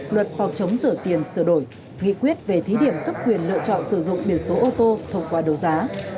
luật phòng chống rửa tiền sửa đổi nghị quyết về thí điểm cấp quyền lựa chọn sử dụng biển số ô tô thông qua đấu giá